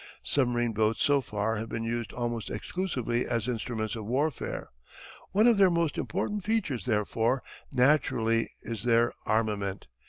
_] Submarine boats so far have been used almost exclusively as instruments of warfare. One of their most important features, therefore, naturally is their armament.